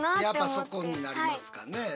やっぱそこになりますかね。